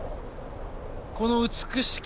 この美しき